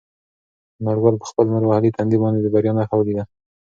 انارګل په خپل لمر وهلي تندي باندې د بریا نښه ولیده.